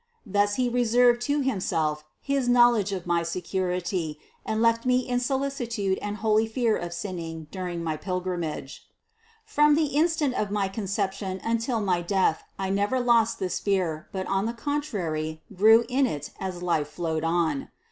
Thus He reserved to Himself his knowledge of my security, and left me in solicitude and holy fear of sinning during my pilgrimage. From the instant of my Conception until my death I never lost this fear, but on the contrary grew in it as life flowed on. 324.